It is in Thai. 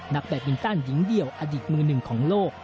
แบตมินตันหญิงเดี่ยวอดีตมือหนึ่งของโลก